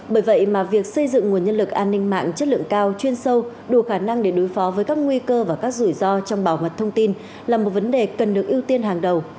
bởi vậy mà việc xây dựng nguồn nhân lực an ninh mạng chất lượng cao chuyên sâu đủ khả năng để đối phó với các nguy cơ và các rủi ro trong bảo mật thông tin là một vấn đề cần được ưu tiên hàng đầu